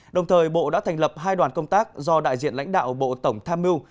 đồng thời bộ đã thành lập hai đoàn công tác do đại diện lãnh đạo bộ tổng tham mưu